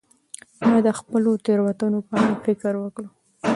ما د خپلو تیروتنو په اړه فکر وکړ.